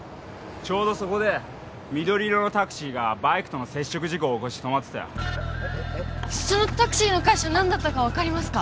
ちょうどそこで緑色のタクシーがバイクとの接触事故で止まってたよそのタクシーの会社何だったか分かりますか？